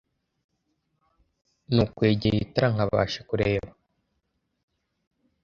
nukwegera itara nkabasha kureba